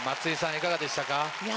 いかがでしたか？